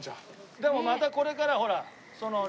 でもまたこれからほら御神木で。